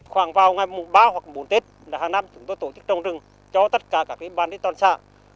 khoảng vào ngày ba hoặc bốn tết hàng năm chúng tôi tổ chức trồng rừng cho tất cả các ban đất toàn xã